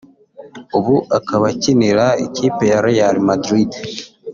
ubu akaba akinira ikipe ya Real Madrid